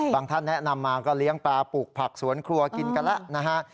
ท่านแนะนำมาก็เลี้ยงปลาปลูกผักสวนครัวกินกันแล้วนะฮะ